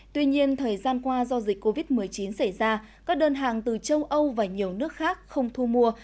tuy nhiên thời gian qua do dịch covid một mươi chín xảy ra các đơn hàng từ châu âu và nhiều nước khác không thu mua